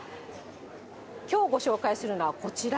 きょうご紹介するのは、こちら。